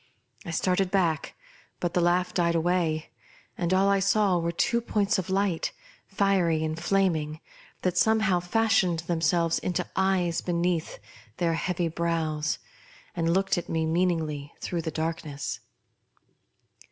I started . back, but the laugh died away, and all I saw were two points of light, fiery and flaming, that somehow fashioned themselves into eyes beneath their heavy brows, and looked at me meaningly through the darkness.